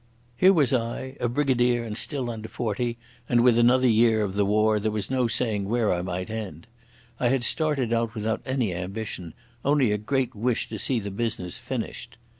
Here was I—a brigadier and still under forty, and with another year of the war there was no saying where I might end. I had started out without any ambition, only a great wish to see the business finished.